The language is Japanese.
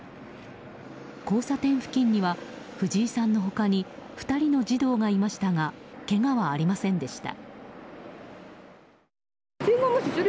交差点付近には藤井さんの他に２人の児童がいましたがけがはありませんでした。